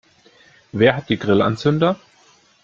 Wer hat die Grillanzünder?